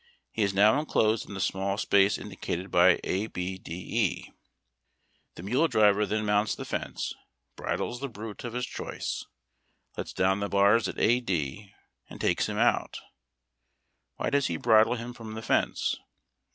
He is now enclosed in the small space indicated by ABDE. The mule driver then mounts the fence, bridles the brute of his choice, lets down the bars at AD, and takes him out. Why does he bridle him from the fence